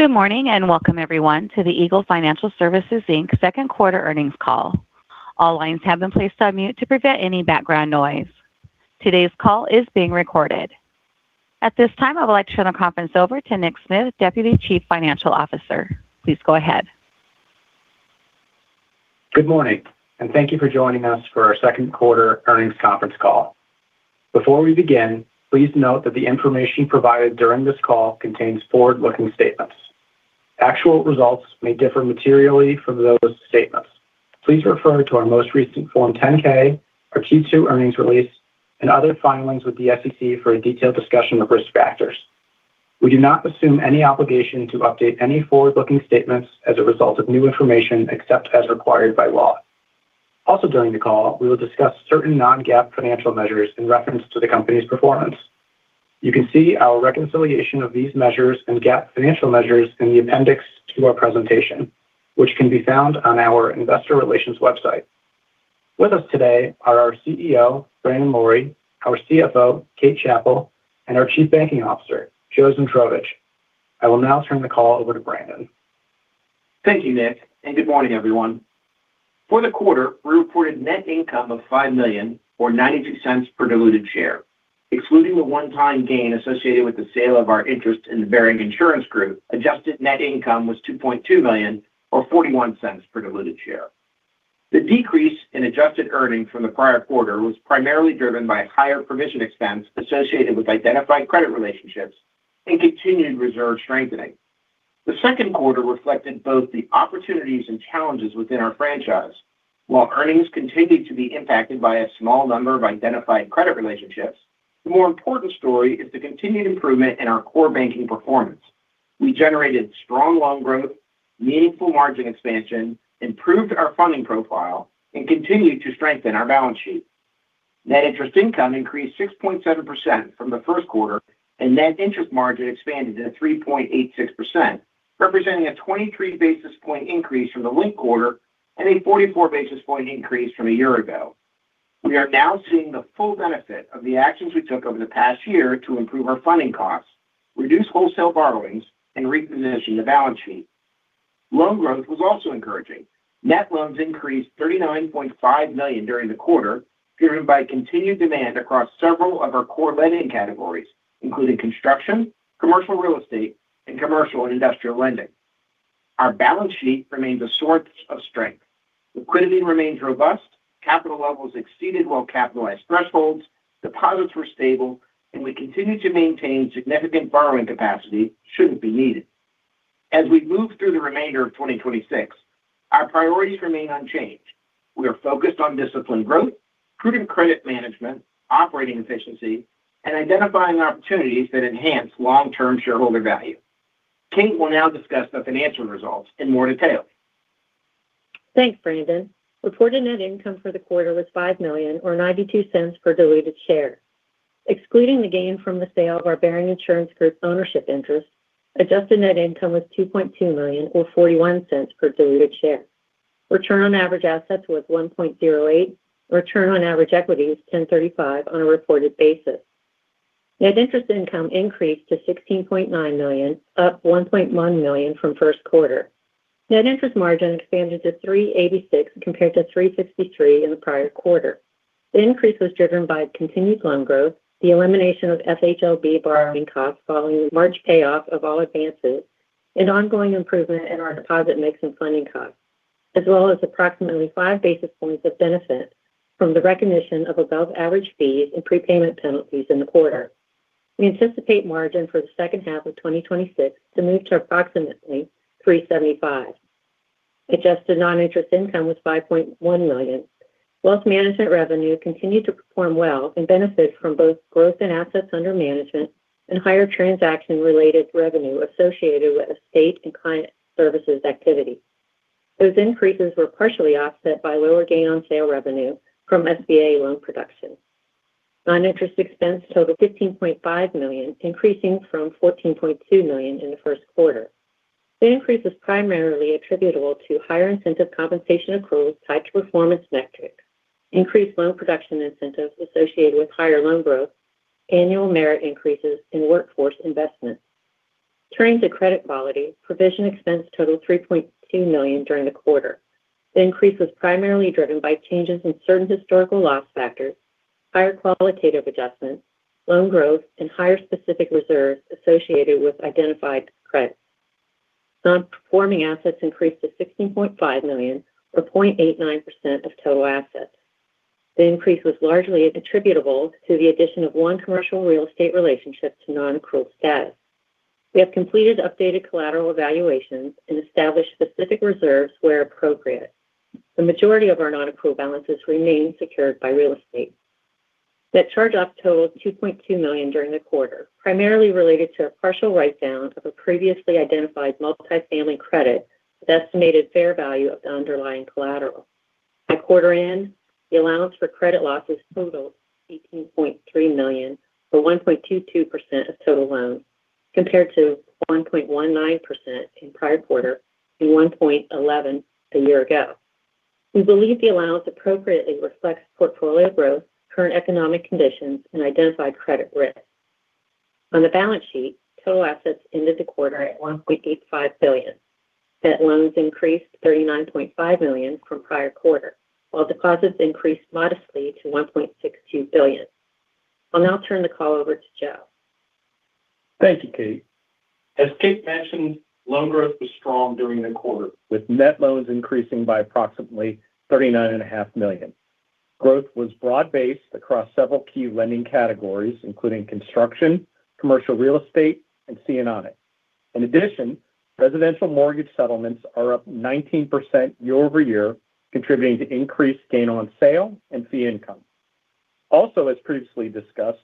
Good morning, and welcome everyone to the Eagle Financial Services, Inc. second quarter earnings call. All lines have been placed on mute to prevent any background noise. Today's call is being recorded. At this time, I would like to turn the conference over to Nick Smith, Deputy Chief Financial Officer. Please go ahead. Good morning. Thank you for joining us for our second quarter earnings conference call. Before we begin, please note that the information provided during this call contains forward-looking statements. Actual results may differ materially from those statements. Please refer to our most recent Form 10-K, our Q2 earnings release, and other filings with the SEC for a detailed discussion of risk factors. We do not assume any obligation to update any forward-looking statements as a result of new information, except as required by law. Also, during the call, we will discuss certain non-GAAP financial measures in reference to the company's performance. You can see our reconciliation of these measures and GAAP financial measures in the appendix to our presentation, which can be found on our investor relations website. With us today are our CEO, Brandon Lorey, our CFO, Kate Chappell, and our Chief Banking Officer, Joe Zmitrovich. I will now turn the call over to Brandon. Thank you, Nick. Good morning, everyone. For the quarter, we reported net income of $5 million or $0.92 per diluted share. Excluding the one-time gain associated with the sale of our interest in the Bering Insurance Group, adjusted net income was $2.2 million or $0.41 per diluted share. The decrease in adjusted earnings from the prior quarter was primarily driven by higher provision expense associated with identified credit relationships and continued reserve strengthening. The second quarter reflected both the opportunities and challenges within our franchise. While earnings continued to be impacted by a small number of identified credit relationships, the more important story is the continued improvement in our core banking performance. We generated strong loan growth, meaningful margin expansion, improved our funding profile, and continued to strengthen our balance sheet. Net interest income increased 6.7% from the first quarter, net interest margin expanded to 3.86%, representing a 23-basis point increase from the linked quarter and a 44-basis point increase from a year ago. We are now seeing the full benefit of the actions we took over the past year to improve our funding costs, reduce wholesale borrowings, and reposition the balance sheet. Loan growth was also encouraging. Net loans increased $39.5 million during the quarter, driven by continued demand across several of our core lending categories, including construction, commercial real estate, and commercial and industrial lending. Our balance sheet remains a source of strength. Liquidity remains robust, capital levels exceeded well-capitalized thresholds, deposits were stable, and we continue to maintain significant borrowing capacity should it be needed. As we move through the remainder of 2026, our priorities remain unchanged. We are focused on disciplined growth, prudent credit management, operating efficiency, and identifying opportunities that enhance long-term shareholder value. Kate will now discuss the financial results in more detail. Thanks, Brandon. Reported net income for the quarter was $5 million or $0.92 per diluted share. Excluding the gain from the sale of our Bering Insurance Group ownership interest, adjusted net income was $2.2 million or $0.41 per diluted share. Return on average assets was 1.08%. Return on average equity was 10.35% on a reported basis. Net interest income increased to $16.9 million, up $1.1 million from first quarter. Net interest margin expanded to 3.86% compared to 3.53% in the prior quarter. The increase was driven by continued loan growth, the elimination of FHLB borrowing costs following the March payoff of all advances, and ongoing improvement in our deposit mixing funding costs, as well as approximately five basis points of benefit from the recognition of above-average fees and prepayment penalties in the quarter. We anticipate margin for the second half of 2026 to move to approximately 3.75%. Adjusted non-interest income was $5.1 million. Wealth management revenue continued to perform well and benefit from both growth in assets under management and higher transaction-related revenue associated with estate and client services activity. Those increases were partially offset by lower gain on sale revenue from SBA loan production. Non-interest expense totaled $15.5 million, increasing from $14.2 million in the first quarter. The increase was primarily attributable to higher incentive compensation accruals tied to performance metrics, increased loan production incentives associated with higher loan growth, annual merit increases, and workforce investments. Turning to credit quality, provision expense totaled $3.2 million during the quarter. The increase was primarily driven by changes in certain historical loss factors, higher qualitative adjustments, loan growth, and higher specific reserves associated with identified credits. Non-performing assets increased to $16.5 million or 0.89% of total assets. The increase was largely attributable to the addition of one commercial real estate relationship to non-accrual status. We have completed updated collateral evaluations and established specific reserves where appropriate. The majority of our non-accrual balances remain secured by real estate. Net charge-offs totaled $2.2 million during the quarter, primarily related to a partial write-down of a previously identified multifamily credit with estimated fair value of the underlying collateral. By quarter end, the allowance for credit losses totaled $18.3 million, or 1.22% of total loans, compared to 1.19% in prior quarter and 1.11% a year ago. We believe the allowance appropriately reflects portfolio growth, current economic conditions, and identified credit risks. On the balance sheet, total assets ended the quarter at $1.85 billion. Net loans increased to $39.5 million from prior quarter, while deposits increased modestly to $1.62 billion. I'll now turn the call over to Joe. Thank you, Kate. As Kate mentioned, loan growth was strong during the quarter, with net loans increasing by approximately $39.5 million. Growth was broad-based across several key lending categories, including construction, commercial real estate, and C&I. In addition, residential mortgage settlements are up 19% year-over-year, contributing to increased gain on sale and fee income. Also, as previously discussed,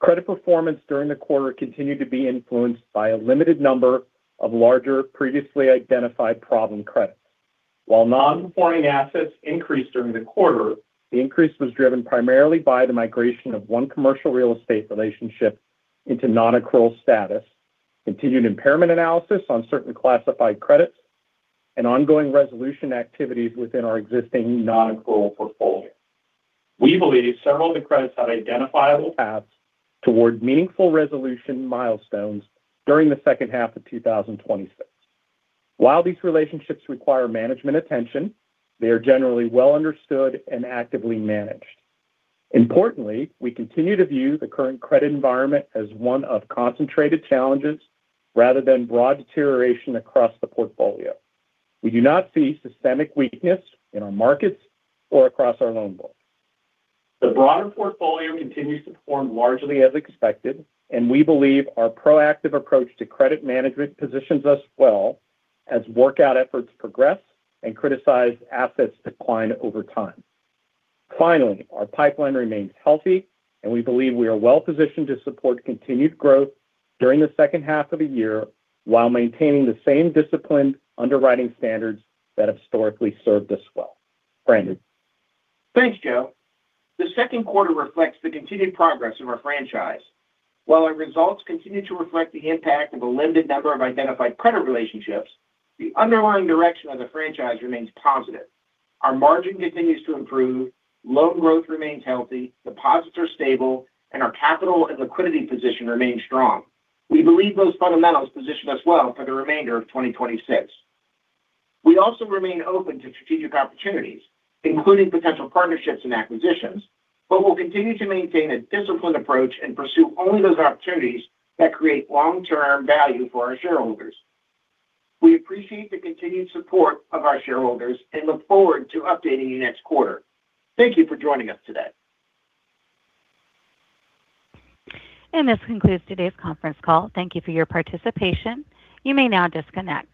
credit performance during the quarter continued to be influenced by a limited number of larger, previously identified problem credits. While non-performing assets increased during the quarter, the increase was driven primarily by the migration of one commercial real estate relationship into non-accrual status, continued impairment analysis on certain classified credits, and ongoing resolution activities within our existing non-accrual portfolio. We believe several of the credits have identifiable paths toward meaningful resolution milestones during the second half of 2026. While these relationships require management attention, they are generally well understood and actively managed. Importantly, we continue to view the current credit environment as one of concentrated challenges rather than broad deterioration across the portfolio. We do not see systemic weakness in our markets or across our loan book. The broader portfolio continues to perform largely as expected, and we believe our proactive approach to credit management positions us well as workout efforts progress and criticized assets decline over time. Finally, our pipeline remains healthy, and we believe we are well-positioned to support continued growth during the second half of the year while maintaining the same disciplined underwriting standards that have historically served us well. Brandon. Thanks, Joe. The second quarter reflects the continued progress of our franchise. While our results continue to reflect the impact of a limited number of identified credit relationships, the underlying direction of the franchise remains positive. Our margin continues to improve, loan growth remains healthy, deposits are stable, and our capital and liquidity position remains strong. We believe those fundamentals position us well for the remainder of 2026. We also remain open to strategic opportunities, including potential partnerships and acquisitions. We'll continue to maintain a disciplined approach and pursue only those opportunities that create long-term value for our shareholders. We appreciate the continued support of our shareholders and look forward to updating you next quarter. Thank you for joining us today. This concludes today's conference call. Thank you for your participation. You may now disconnect.